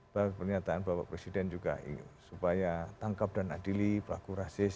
bahwa pernyataan bapak presiden juga supaya tangkap dan adili pelaku rasis